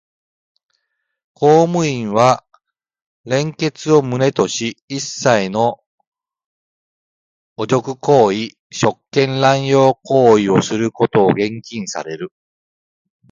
公務員は廉潔を旨とし、一切の汚辱行為、職権濫用行為をすることを厳禁される。